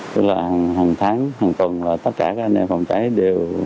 tức là hằng tháng hằng tuần tất cả các anh em phòng cháy đều